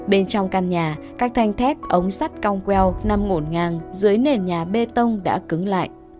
bên trong căn nhà các thanh thép ống sắt cong queo nằm ngổn ngang dưới nền nhà bê tông đã cứng lại